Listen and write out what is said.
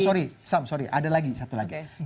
sorry sam sorry ada lagi satu lagi